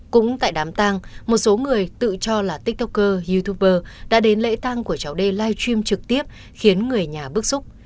cũng tại đám tang một số người tự cho là tiktoker youtuber đã đến lễ tang của cháu d live stream trực tiếp khiến người nhà bức xúc